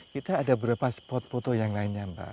kita ada beberapa spot foto yang lainnya mbak